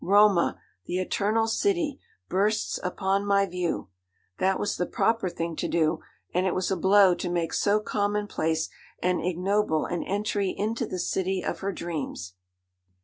Roma! the eternal city, bursts upon my view!' That was the proper thing to do, and it was a blow to make so commonplace and ignoble an entry into the city of her dreams.